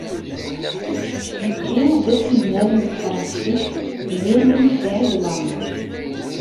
Nekki d aselmad n tefransist n Lyamin n Saɛid Waɛmeṛ.